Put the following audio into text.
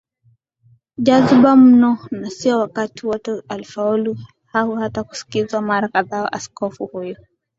jazba mno Na sio wakati wote alifaulu au hata kusikizwaMara kadhaa askofu huyo